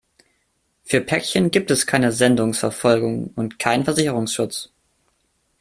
Für Päckchen gibt es keine Sendungsverfolgung und keinen Versicherungsschutz.